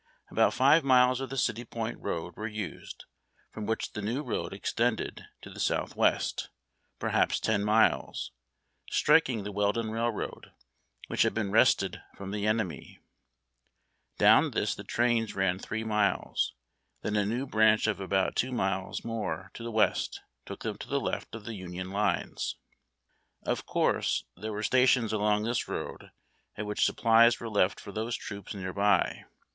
About five miles of the City Point road were used, from which the new road extended to the south west, perhaps ten miles, striking the Weldon Railroad, which had been wrested from the enem3^ Down this the trains ran three miles; then a new branch of about two miles more to the west took them to the left of the Union lines. Of course, there were stations along this road at which supplies were left for those troops near by.